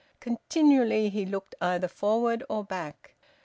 Continually he looked either forward or back.